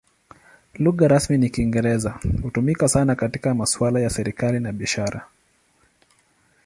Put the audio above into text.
Lugha rasmi ni Kiingereza; hutumika sana katika masuala ya serikali na biashara.